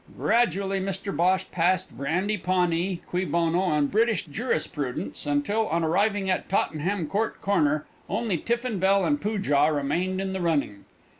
Gradually Mr Bhosh passed Brandy Pawnee, Cui Bono, and British Jurisprudence, until, on arriving at Tottenham Court Corner, only Tiffin Bell and Poojah remained in the running.